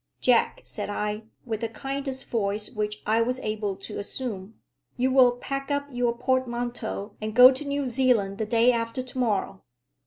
"Jack," said I, with the kindest voice which I was able to assume, "you will pack up your portmanteau and go to New Zealand the day after to morrow.